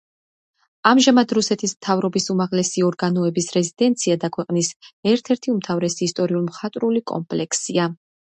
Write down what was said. ამჟამად რუსეთის მთავრობის უმაღლესი ორგანოების რეზიდენცია და ქვეყნის ერთ-ერთი უმთავრესი ისტორიულ-მხატვრული კომპლექსია.